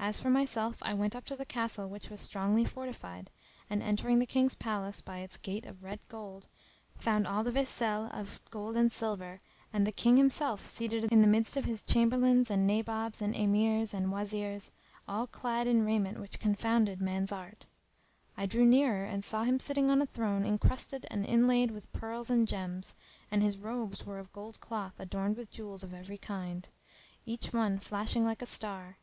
As for myself I went up to the castle which was strongly fortified; and, entering the King's palace by its gate of red gold, found all the vaiselle of gold and silver, and the King himself seated in the midst of his Chamberlains and Nabobs and Emirs and Wazirs; all clad in raiment which confounded man's art. I drew nearer and saw him sitting on a throne incrusted and inlaid with pearls and gems; and his robes were of gold cloth adorned with jewels of every kind, each one flashing like a star.